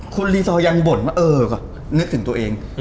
คุณลิซอยั้งบ่นว่าเออนึกถึงตัวเอง